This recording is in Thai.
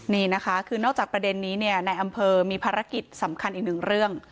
นี่นะคะคือนอกจากประเด็นนี้เนี่ยในอำเภอมีภารกิจสำคัญอีกหนึ่งเรื่อง